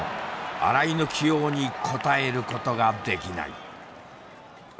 新井の起用に応えることができない。